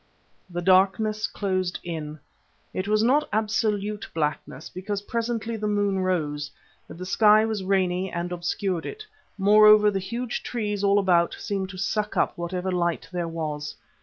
The darkness closed in. It was not absolute blackness, because presently the moon rose, but the sky was rainy and obscured it; moreover, the huge trees all about seemed to suck up whatever light there was.